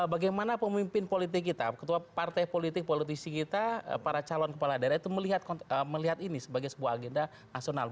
bagaimana pemimpin politik kita ketua partai politik politisi kita para calon kepala daerah itu melihat ini sebagai sebuah agenda nasional